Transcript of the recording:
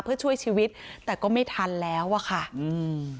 เพื่อช่วยชีวิตแต่ก็ไม่ทันแล้วอ่ะค่ะอืม